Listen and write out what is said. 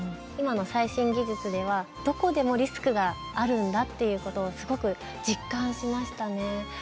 今の最新技術ではどこでもリスクがあるんだっていうことをすごく実感しましたね。